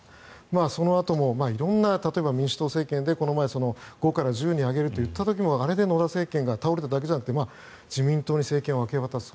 そのあとも色々な例えば民主党政権で５から１０に上げると言った時もあれで野田政権が倒れただけじゃなくて自民党に政権を明け渡した。